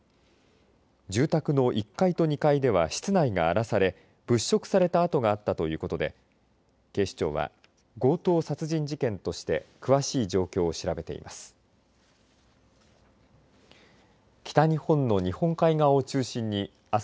住宅の１階と２階では室内が荒らされ物色された跡があったということで警視庁は強盗殺人事件として詳しい状況を調べています。